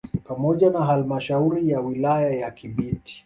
Pamoja na halmashauri ya wilaya ya Kibiti